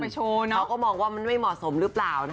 เขาก็มองว่ามันไม่เหมาะสมหรือเปล่า